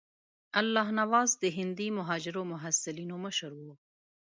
الله نواز د هندي مهاجرو محصلینو مشر وو.